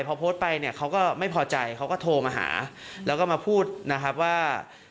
พอโพสต์ไปเนี่ยเขาก็ไม่พอใจเขาก็โทรมาหาแล้วก็มาพูดนะครับว่า